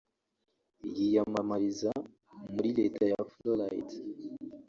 yiyamamariza muri Leta ya Floride